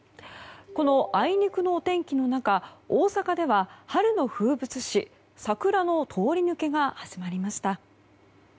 この、あいにくのお天気の中大阪では春の風物詩、桜の通り抜けが始まりました。